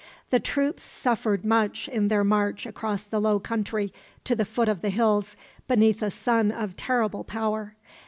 The troops suffered much in their march across the low country to the foot of the hills, beneath a sun of terrible power.